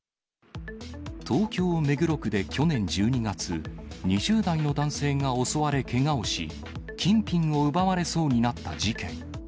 東京・目黒区で去年１２月、２０代の男性が襲われけがをし、金品を奪われそうになった事件。